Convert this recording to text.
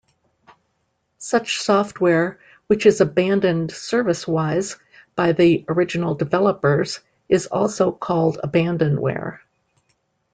Such software which is abandoned service-wise by the original developers is also called abandonware.